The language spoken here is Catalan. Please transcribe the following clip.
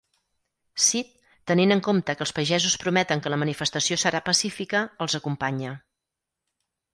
Cid, tenint en compte que els pagesos prometen que la manifestació serà pacífica, els acompanya.